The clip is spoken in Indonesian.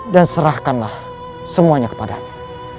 dan serahkanlah semuanya kepadanya